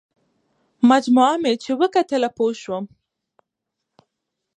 مجموعه مې چې وکتله پوه شوم.